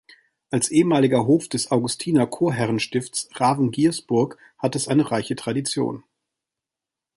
Als ehemaliger Hof des Augustiner-Chorherrenstifts Ravengiersburg hat es eine reiche Tradition.